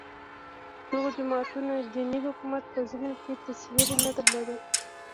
دغو جماعتونو دیني حکومت په ذهن کې تصور نه درلود